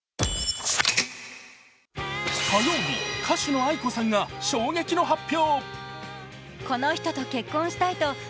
火曜日、歌手のａｉｋｏさんが衝撃の発表。